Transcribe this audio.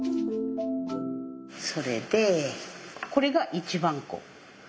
それでこれが一番粉。